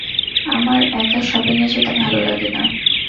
আমার একা শপিংয়ে যেতে ভালো লাগে না।